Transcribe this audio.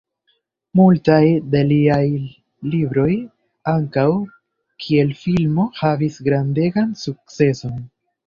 Multaj de liaj libroj ankaŭ kiel filmo havis grandegan sukceson.